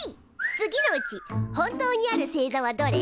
次のうち本当にある星座はどれ？